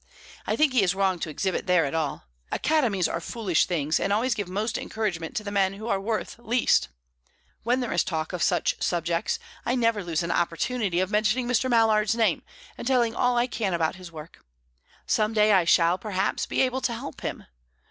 I think he is wrong to exhibit there at all. Academies are foolish things, and always give most encouragement to the men who are worth least. When there is talk of such subjects, I never lose an opportunity of mentioning Mr. Mallard's name, and telling all I can about his work. Some day I shall, perhaps, be able to help him.